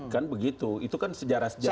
kan begitu itu kan sejarah sejarah